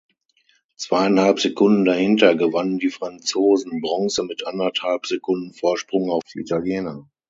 Zweieinhalb Sekunden dahinter gewannen die Franzosen Bronze mit anderthalb Sekunden Vorsprung auf die Italiener.